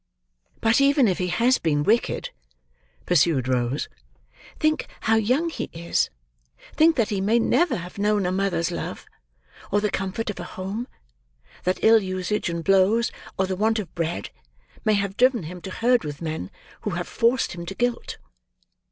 "But even if he has been wicked," pursued Rose, "think how young he is; think that he may never have known a mother's love, or the comfort of a home; that ill usage and blows, or the want of bread, may have driven him to herd with men who have forced him to guilt.